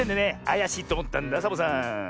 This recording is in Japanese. あやしいっておもったんだサボさん。